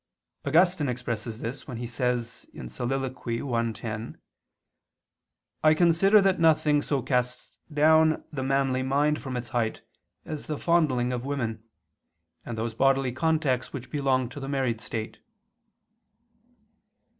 Augustine expresses this when he says (Solil. i, 10): "I consider that nothing so casts down the manly mind from its height as the fondling of women, and those bodily contacts which belong to the married state."